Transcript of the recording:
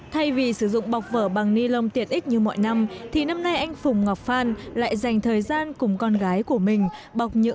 thay vì sử dụng bọc vở bằng ni lông tiệt ích như mọi năm thì năm nay anh phùng ngọc phan lại dành thời gian cùng con gái của mình bọc nhựa